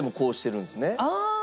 ああ！